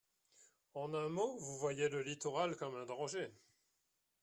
En un mot, vous voyez le littoral comme un danger.